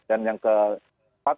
dan yang keempat